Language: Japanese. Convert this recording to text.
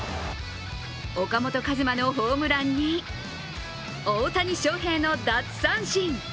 岡本和真のホームランに大谷翔平の奪三振。